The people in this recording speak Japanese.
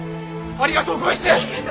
ありがとうごいす。